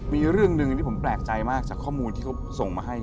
มีเรื่องหนึ่งที่ผมแปลกใจมากจากข้อมูลที่เขาส่งมาให้